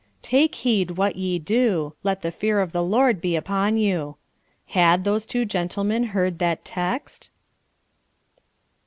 "Take heed what ye do; let the fear of the Lord be upon you." Had those two gentlemen heard that text?